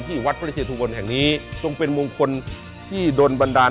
ที่วัดพระเชษฐุวรรณแห่งนี้จงเป็นมงคลที่โดนบันดาล